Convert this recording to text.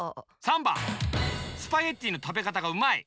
３ばんスパゲッティのたべかたがうまい！